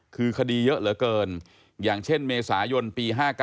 คือคดีเยอะเหลือเกินอย่างเช่นเมษายนปี๕๙